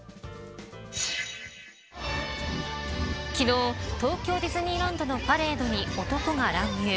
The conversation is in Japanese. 昨日、東京ディズニーランドのパレードに男が乱入。